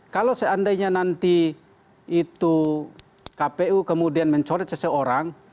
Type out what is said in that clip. kalau seandainya nanti itu kpu kemudian mencoret seseorang